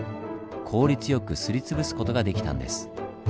効率よくすり潰す事ができたんです。